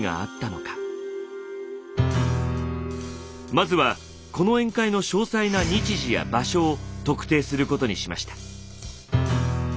まずはこの宴会の詳細な日時や場所を特定することにしました。